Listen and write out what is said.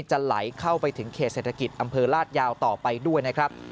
จะไหลเข้าไปถึงเขตเศรษฐกิจอำเภอลาดยาวต่อไปด้วยนะครับ